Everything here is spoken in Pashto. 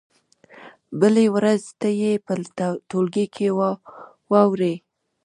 بلې ورځې ته یې په ټولګي کې واورئ.